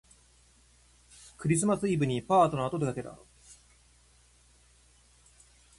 クリスマスイブにパートナーとでかけた